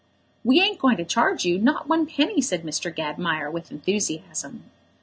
"We ain't going to charge you, not one penny," said Mr. Gadmire, with enthusiasm.